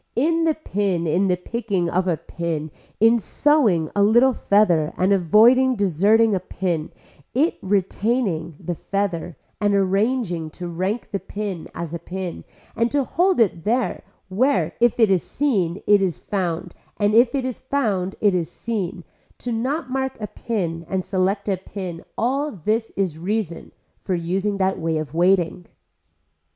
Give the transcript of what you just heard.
In the pin in the picking of a pin, in sewing a little feather and avoiding deserting a pin, in retaining the feather and arranging to rank the pin as a pin and to hold it there where if it is seen it is found and if it is found it is seen, to not mark a pin and select a pin all this is a reason for using that way of waiting.